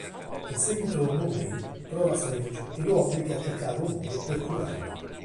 In seguito Mooney trova Strange e lo obbliga a cercare un modo per curarla.